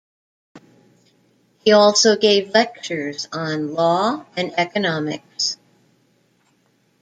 He also gave lectures on law and economics.